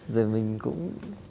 rồi mình cũng